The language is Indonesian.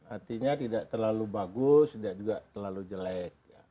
artinya tidak terlalu bagus tidak juga terlalu jelek